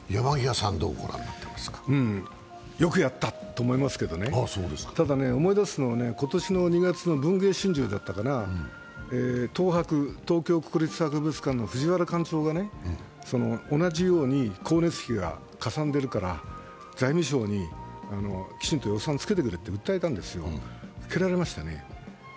よくやった！と思いますけどね、ただね、思い出すのは今年の２月の「文藝春秋」だったかな、トーハク、東京国立博物館の藤原館長が同じように光熱費がかさんでいるから財務省にきちんと予算つけてくれって訴えましてね、蹴られましたね。